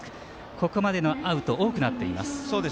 ここまでのアウト多くなっています。